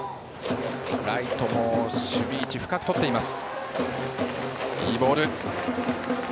ライトも守備位置深くとっています。